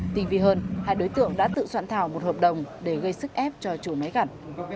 tinh vi hơn hai đối tượng đã tự soạn thảo một hợp đồng để gây sức ép cho chủ máy gặt